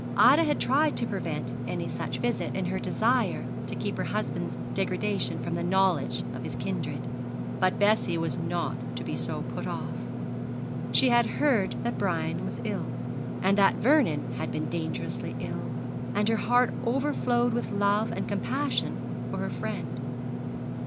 Ida had tried to prevent any such visit, in her desire to keep her husband's degradation from the knowledge of his kindred; but Bessie was not to be so put off. She had heard that Brian was ill, and that Vernon had been dangerously ill; and her heart overflowed with love and compassion for her friend.